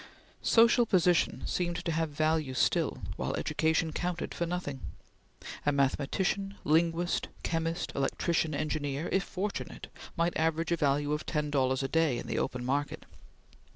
Social position seemed to have value still, while education counted for nothing. A mathematician, linguist, chemist, electrician, engineer, if fortunate might average a value of ten dollars a day in the open market.